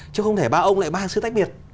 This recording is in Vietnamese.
chứ không thể ba ông lại mang sự tách biệt